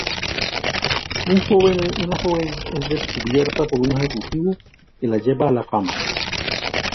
Una joven es descubierta por un ejecutivo que la lleva a la fama.